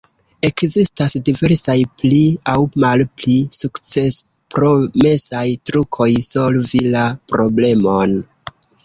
Ekzistas diversaj pli aŭ malpli sukcespromesaj trukoj solvi la problemon.